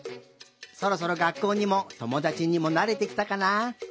そろそろがっこうにもともだちにもなれてきたかな？